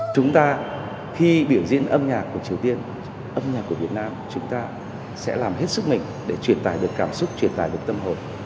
chúng ta khi biểu diễn âm nhạc của triều tiên âm nhạc của việt nam chúng ta sẽ làm hết sức mình để truyền tải được cảm xúc truyền tải được tâm hồn